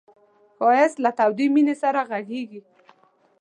ښایست له تودې مینې سره غږېږي